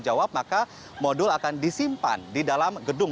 kalau anda tidak bertanggung jawab maka modul akan disimpan di dalam gedung